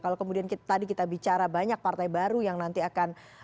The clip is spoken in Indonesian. kalau kemudian tadi kita bicara banyak partai baru yang nanti akan